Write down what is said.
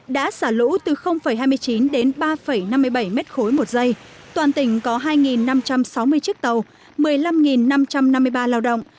đã xả lũ từ hai mươi chín đến ba năm mươi bảy m ba một giây toàn tỉnh có hai năm trăm sáu mươi chiếc tàu một mươi năm năm trăm năm mươi ba lao động